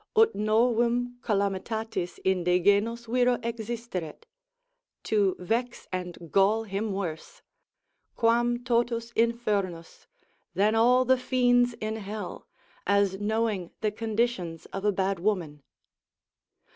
ut novum calamitatis inde genus viro existeret, to vex and gall him worse quam totus infernus than all the fiends in hell, as knowing the conditions of a bad woman.